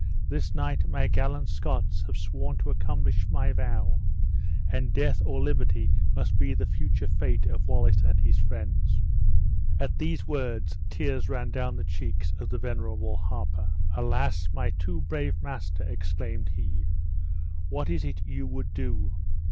This night my gallant Scots have sworn to accomplish my vow, and death or liberty must be the future fate of Wallace and his friends." At these words, tears ran down the cheeks of the venerable harper. "Alas! my too brave master," exclaimed he, "what is it you would do?